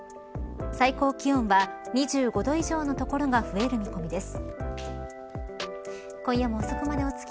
最高気温は２５度以上の所が増える見込みです。